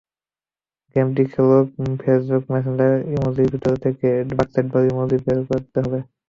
গেমটি খেলতে ফেসবুক মেসেঞ্জারের ইমোজির ভেতর থেবে বাস্কেটবল ইমোজি খুঁজে বের করতে হবে।